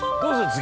次。